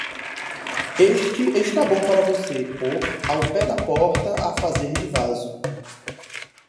Este está bom para você pôr ao pé da porta a fazer de vaso.